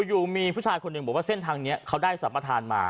อยู่มีผู้ชายคนหนึ่งบอกว่าเส้นทางนี้เขาได้สัมปทานมา